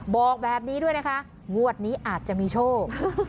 บอกแบบนี้ด้วยนะคะงวดนี้อาจจะมีโชค